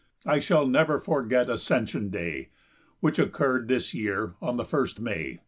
I shall never forget Ascension Day, which occurred this year on the 1st May.